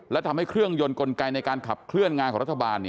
และทำให้เครื่องยนต์กลไกในการขับเคลื่อนงานของรัฐบาล